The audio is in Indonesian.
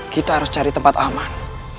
kita harus cari tempat aman